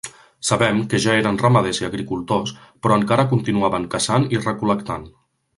Sabem que ja eren ramaders i agricultors, però encara continuaven caçant i recol·lectant.